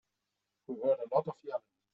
We heard a lot of yelling.